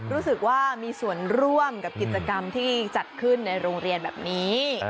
รู้สึกว่ามีส่วนร่วมกับกิจกรรมที่จัดขึ้นในโรงเรียนแบบนี้